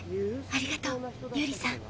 ありがとうユーリさん。